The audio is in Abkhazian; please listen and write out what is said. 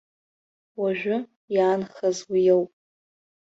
Уажәы, иаанхаз уиоуп.